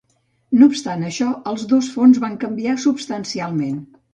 No obstant això, els dos fons van canviar substancialment.